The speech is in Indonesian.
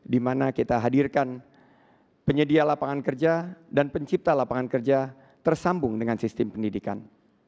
di mana kita hadirkan penyedia lapangan kerja dan pencipta lapangan kerja tersambung dengan sistem pendidikan